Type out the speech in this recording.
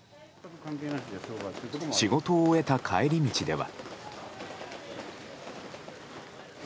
仕事を終えた帰り道では。